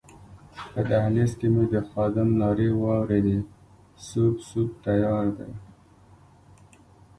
په دهلېز کې مې د خادم نارې واورېدې سوپ، سوپ تیار دی.